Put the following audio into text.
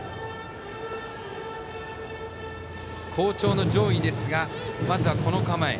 好調の上位ですがまずはバントの構え。